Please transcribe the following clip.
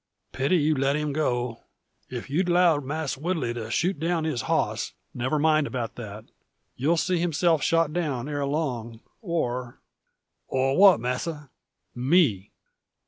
Pity you let him go. If you'd 'lowed Mass Woodley to shoot down his hoss " "Never mind about that. You'll see himself shot down ere long, or " "Or what, masser?" "Me!"